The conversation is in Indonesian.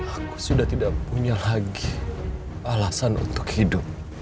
aku sudah tidak punya lagi alasan untuk hidup